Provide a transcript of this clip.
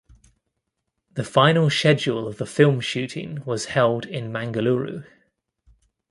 The final schedule of the film shooting was held in Mangaluru.